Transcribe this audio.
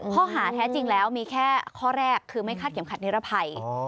ข้อหาแท้จริงแล้วมีแค่ข้อแรกคือไม่คาดเข็มขัดนิรภัย